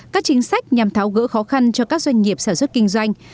các chính sách nhằm tháo gỡ khó khăn cho các doanh nghiệp sản xuất kinh doanh